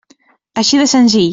Així de senzill.